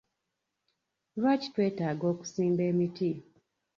Lwaki twetaaga okusimba emiti?